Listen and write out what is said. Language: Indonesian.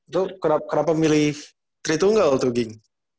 lu kenapa milih tri tunggal tuh ging